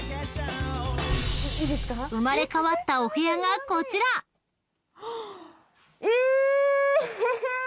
［生まれ変わったお部屋がこちら！］え！？